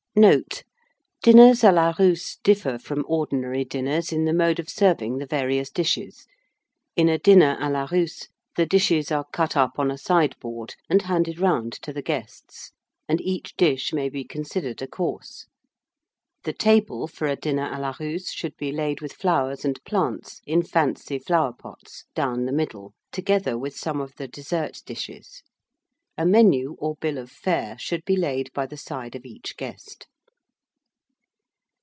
Note. Dinners à la Russe differ from ordinary dinners in the mode of serving the various dishes. In a dinner à la Russe, the dishes are cut up on a sideboard, and handed round to the guests, and each dish may be considered a course. The table for a dinner à la Russe should be laid with flowers and plants in fancy flowerpots down the middle, together with some of the dessert dishes. A menu or bill of fare should be laid by the side of each guest.